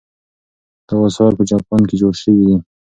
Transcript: دا وسایل په جاپان کې جوړ شوي دي.